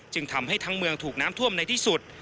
ทำให้ทั้งเมืองถูกน้ำท่วมในที่สุด